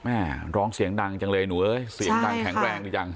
แม่ร้องเสียงดังจังเลยหนูเอ้ยเสียงดังแข็งแรงดีจัง